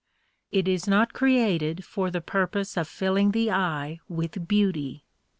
It is not created for the purpose of filling the eye with beauty.